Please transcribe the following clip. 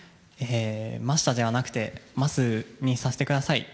ましたではなくて、ますにさせてください。